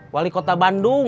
wali kota bandung